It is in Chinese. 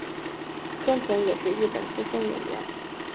千田是也是日本资深演员。